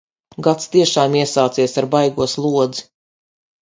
Gads tiešām iesācies ar baigo slodzi!